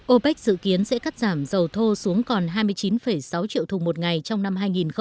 opec dự kiến sẽ cắt giảm dầu thô xuống còn hai mươi chín sáu triệu thùng một ngày trong năm hai nghìn hai mươi